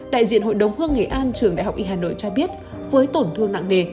đại diện hội đồng hương nghệ an trường đại học y hà nội cho biết với tổn thương nặng nề